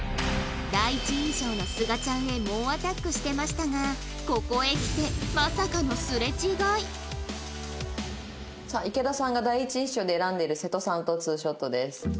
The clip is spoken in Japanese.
第一印象のすがちゃんへ猛アタックしてましたがここへきてまさかのすれ違いさあ池田さんが第一印象で選んでいる瀬戸さんと２ショットです。